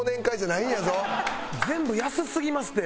全部安すぎますって！